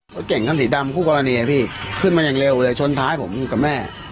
รถเก่งคันสีดำคู่กรณีพี่ขึ้นมาอย่างเร็วเลยชนท้ายผมกับแม่